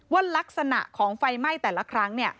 ลักษณะของไฟไหม้แต่ละครั้ง